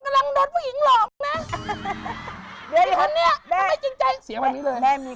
แล้วเป็นไง